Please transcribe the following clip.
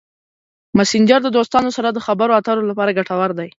مسېنجر د دوستانو سره د خبرو اترو لپاره ګټور دی.